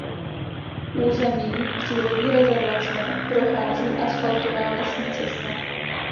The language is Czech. Územím přírodní rezervace prochází asfaltová lesní cesta.